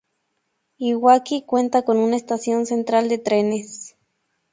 Iwaki cuenta con una estación central de trenes.